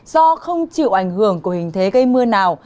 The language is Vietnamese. do không chịu ảnh hưởng của hình thế gây mưa nào